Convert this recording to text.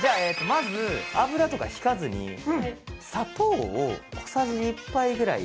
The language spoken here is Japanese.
まず油とか引かずに砂糖を小さじに１杯ぐらい。